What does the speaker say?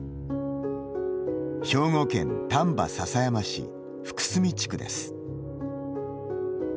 兵庫県丹波篠山市福住地区です。